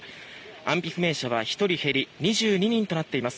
安否不明者は１人減り２２人となっています。